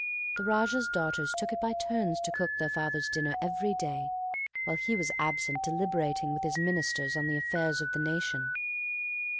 The Raja's daughters took it by turns to cook their father's dinner every day, while he was absent deliberating with his Ministers on the affairs of the nation.